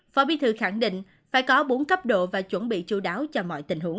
phó bí thư khẳng định phải có bốn cấp độ và chuẩn bị chú đáo cho mọi tình huống